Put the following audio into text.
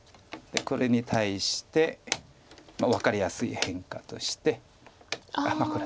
これに対して分かりやすい変化として。